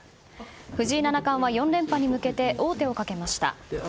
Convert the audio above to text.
藤井七冠は４連覇にかけて王手をかけました。